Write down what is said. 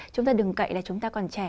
chúng ta đừng cậy là chúng ta còn trẻ